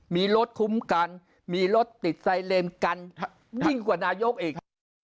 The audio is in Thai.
มีรถคุ้มกันมีรถติดใสเวรกันยิ่งกว่านโยคเอง